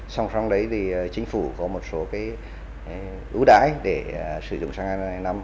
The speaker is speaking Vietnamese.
xong xong đấy thì chính phủ có một số ưu đái để sử dụng xăng e năm